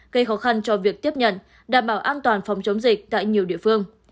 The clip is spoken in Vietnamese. gây khó khăn cho việc tiếp nhận đảm bảo an toàn phòng chống dịch tại nhiều địa phương